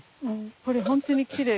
これ本当にきれい。